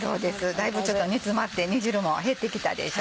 だいぶ煮詰まって煮汁も減ってきたでしょ？